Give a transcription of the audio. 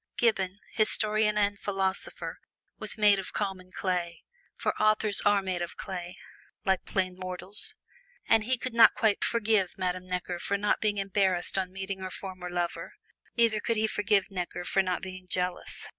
Gibbon, historian and philosopher, was made of common clay (for authors are made of clay, like plain mortals), and he could not quite forgive Madame Necker for not being embarrassed on meeting her former lover, neither could he forgive Necker for not being jealous.